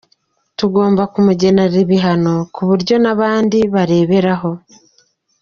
Tugomba kumugenera ibihano ku buryo n’abandi bareberaho.